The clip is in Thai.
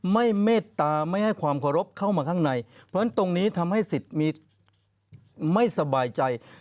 เมตตาไม่ให้ความเคารพเข้ามาข้างในเพราะฉะนั้นตรงนี้ทำให้สิทธิ์มีไม่สบายใจ